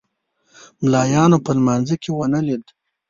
ملایانو په لمانځه کې ونه لید.